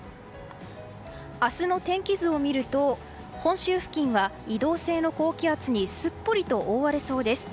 明日の天気図を見ると本州付近は移動性の高気圧にすっぽりと覆われそうです。